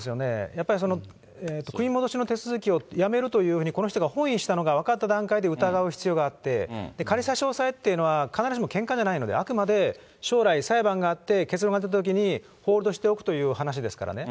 やっぱり組み戻しの手続きをやめるというふうにこの人が翻意したことが分かった段階で疑う必要があって、仮差し押さえっていうのは、必ずしもけんかじゃないので、あくまで将来裁判があって、結論が出たときに、ホールドしておくという話ですからね。